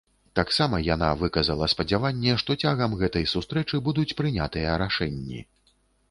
Таксама яна выказала спадзяванне, што цягам гэтай сустрэчы будуць прынятыя рашэнні.